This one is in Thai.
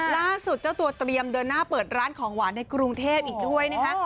เจ้าตัวเตรียมเดินหน้าเปิดร้านของหวานในกรุงเทพอีกด้วยนะคะ